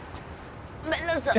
ごめんなさい